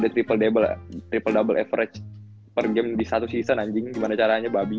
the triple double triple double average per game di satu season anjing gimana caranya babi